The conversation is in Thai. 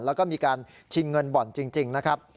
แล้วก็มีการชิงเงินบ่อนจริงนะครับ